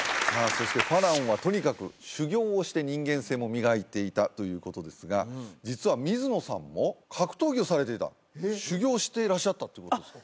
そして花郎はとにかく修行をして人間性も磨いていたということですが実は水野さんも格闘技をされていた修行していらっしゃったってことですか？